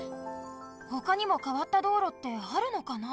ほかにもかわった道路ってあるのかな？